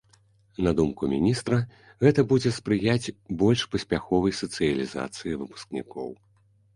На думку міністра, гэта будзе спрыяць больш паспяховай сацыялізацыі выпускнікоў.